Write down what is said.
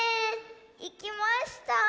いきました。